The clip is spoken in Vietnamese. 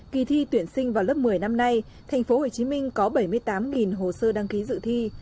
kỳ thi tuyển sinh vào lớp một mươi năm nay thành phố hồ chí minh có bảy mươi tám hồ sơ đăng ký dự thi